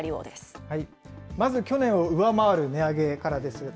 まず去年を上回る値上げからです。